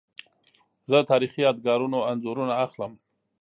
زه د تاریخي یادګارونو انځورونه اخلم.